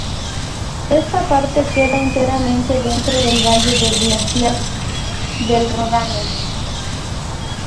Esta parte queda enteramente dentro del valle del glaciar del Ródano.